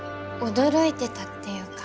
驚いてたっていうか